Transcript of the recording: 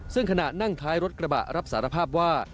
ซึ่งขณะนั่งท้ายรถกระบะรับสารภาพว่า